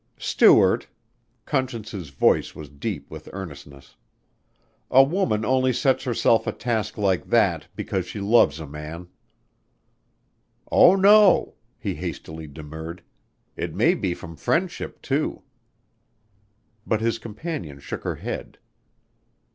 "Stuart," Conscience's voice was deep with earnestness, "a woman only sets herself a task like that because she loves a man." "Oh, no," he hastily demurred. "It may be from friendship, too." But his companion shook her head.